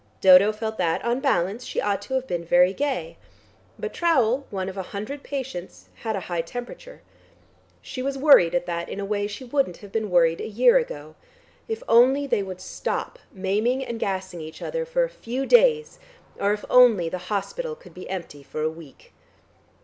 Dodo felt that, on balance, she ought to have been very gay. But Trowle, one of a hundred patients, had a high temperature. She was worried at that in a way she wouldn't have been worried a year ago. If only they would stop maiming and gassing each other for a few days, or if only the hospital could be empty for a week!